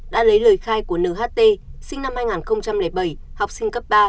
đã lấy lời khai của nht sinh năm hai nghìn bảy học sinh cấp ba